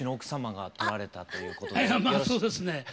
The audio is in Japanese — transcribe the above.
まあそうですね。